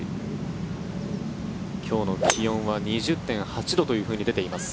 今日の気温は２０．８度というふうに出ています。